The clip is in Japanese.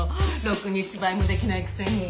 ロクに芝居もできないくせに。